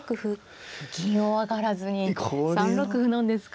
銀を上がらずに３六歩なんですか。